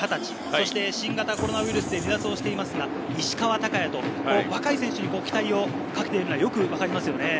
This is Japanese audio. そして新型コロナウイルスで離脱をしていますが、石川昂弥と若い選手に期待をかけているのがわかりますよね。